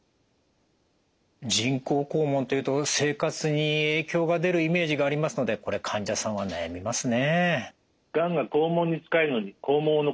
人工肛門っていうと生活に影響が出るイメージがありますのでこれ患者さんは悩みますね。